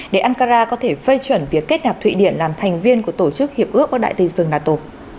để ankara có thể phê chuẩn việc kết nạp thụy điển làm thành viên của tổ chức hiệp ước bắc đại tây dương nato